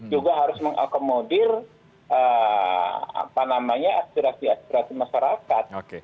juga harus mengakomodir apa namanya aspirasi aspirasi masyarakat